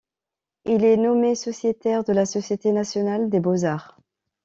Il est nommé sociétaire de la Société nationale des beaux-arts.